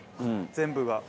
全部が。